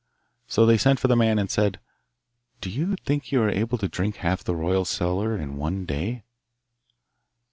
So they sent for the man and said, 'Do you think you are able to drink half the royal cellar in one day?